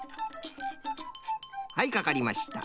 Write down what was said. はいかかりました。